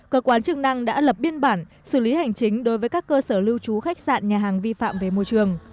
cơ quan chức năng đã lập biên bản xử lý hành chính đối với các cơ sở lưu trú khách sạn nhà hàng vi phạm về môi trường